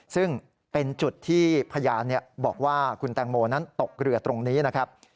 ซึ่งเป็นจุดที่พยานบอกว่าคุณแตงโมนั้นตกเรือตรงนี้นะครับ